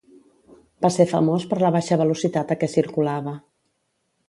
Va ser famós per la baixa velocitat a què circulava.